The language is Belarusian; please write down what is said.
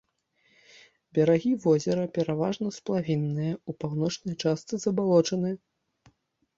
Берагі возера пераважна сплавінныя, у паўночнай частцы забалочаныя.